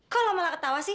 kok lo malah ketawa sih